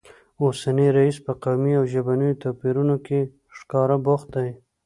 اوسنی رییس په قومي او ژبنیو توپیرونو کې ښکاره بوخت دی